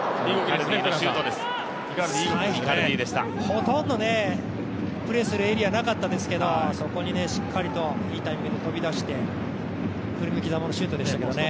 ほとんどプレーするエリアなかったですけれども、そこにしっかりと、いいタイミングで飛び出して振り向きざまのシュートでしたけどね。